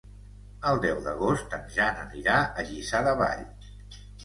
El deu d'agost en Jan anirà a Lliçà de Vall.